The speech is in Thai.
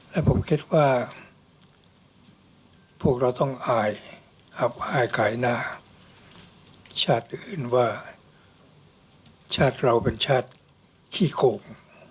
และผมคิดว่าพวกเราต้องอายอับอายขายหน้าชาติอื่นว่าชาติเราเป็นชาติขี้โคม